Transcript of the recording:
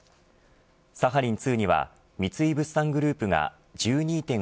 サハリン２には三井物産グループが１２．５％